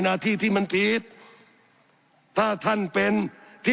สับขาหลอกกันไปสับขาหลอกกันไป